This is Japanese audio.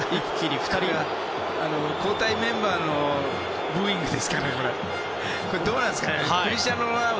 交代メンバーのブーイングですかね？